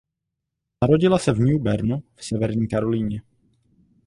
Narodila se v New Bernu v Severní Karolíně.